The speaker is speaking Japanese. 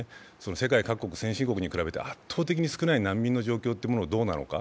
世界各国、先進国に比べて圧倒的に少ない難民の状況はどうなのか。